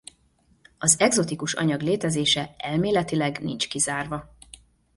Az egzotikus anyag létezése elméletileg nincs kizárva.